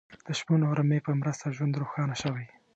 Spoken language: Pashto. د شپون او رمې په مرسته ژوند روښانه شوی.